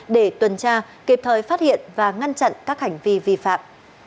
để tuần tra kịp thời phát hiện và ngăn chặn các hành vi vi phạm